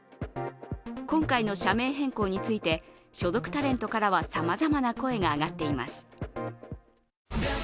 今回の社名変更について、所属タレントからはさまざまな声が上がっています。